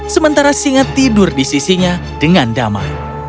sementara singa tidur di sisinya dengan damai